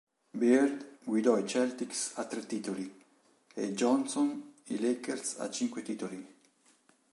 Bird guidò i Celtics a tre titoli, e Johnson i Lakers a cinque titoli.